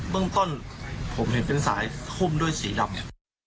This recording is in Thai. เบื้องต้นผมเห็นเป็นสายคุมด้วยสีดำ